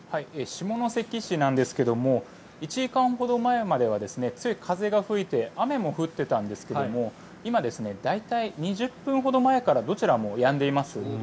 下関市なんですけども１時間ほど前までは強い風が吹いて雨も降っていたんですが今、大体２０分ほど前からどちらもやんでいます。